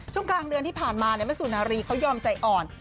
ช่วงกลางเดือนที่ผ่านมาแม่สุนารีเขายอมใจอ่อน